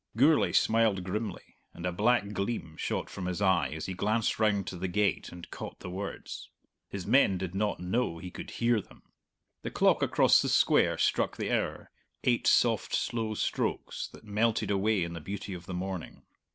Gourlay smiled grimly, and a black gleam shot from his eye as he glanced round to the gate and caught the words. His men did not know he could hear them. The clock across the Square struck the hour, eight soft, slow strokes, that melted away in the beauty of the morning.